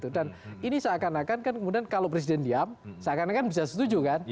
dan ini seakan akan kan kalau presiden diam seakan akan bisa setuju kan